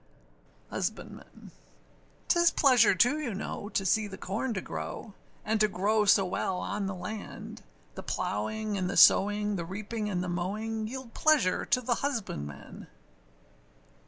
HUSBANDMAN. âTis pleasure, too, you know, to see the corn to grow, And to grow so well on the land; The plowing and the sowing, the reaping and the mowing, Yield pleasure to the husbandman.